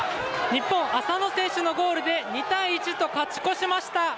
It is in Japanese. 日本、浅野選手のゴールで２対１と勝ち越しました。